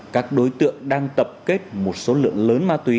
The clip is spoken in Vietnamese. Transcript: các đối tượng đang tập kết một số lượng lớn ma túy